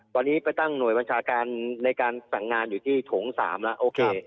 ตอนนี้ไปตั้งหน่วยบัญชาการในการสั่งงานอยู่ที่โถง๓แล้วโอเค